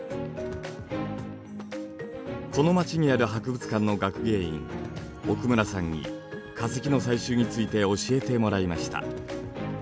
この町にある博物館の学芸員奥村さんに化石の採集について教えてもらいました。